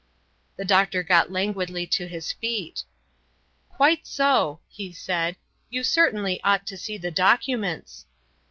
The doctor got languidly to his feet. "Quite so," he said. "You certainly ought to see the documents."